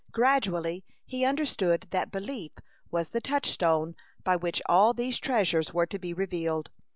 Gradually he understood that Belief was the touchstone by which all these treasures were to be revealed.